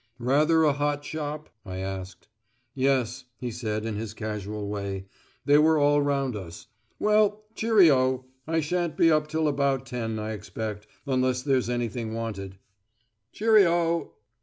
"Rather a hot shop?" I asked. "Yes," he said in his casual way. "They were all round us. Well, cheero! I shan't be up till about ten, I expect, unless there's anything wanted." "Cheero!"